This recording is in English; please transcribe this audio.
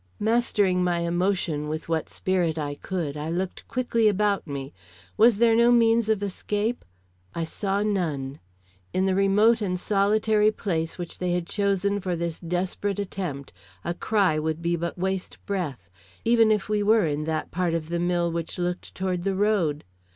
Mastering my emotion with what spirit I could, I looked quickly about me. Was there no means of escape? I saw none. In the remote and solitary place which they had chosen for this desperate attempt, a cry would be but waste breath, even if we were in that part of the mill which looked toward the road.